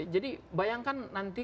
jadi bayangkan nanti